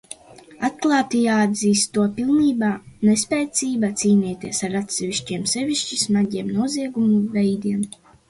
Atklāti jāatzīst to pilnīgā nespēcība cīnīties ar atsevišķiem sevišķi smagiem noziegumu veidiem.